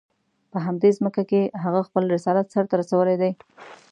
په همدې ځمکه کې هغه خپل رسالت سر ته رسولی دی.